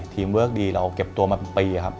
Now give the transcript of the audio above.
ทีมเวิร์กดีเราเก็บตัวมาประมาณปีครับ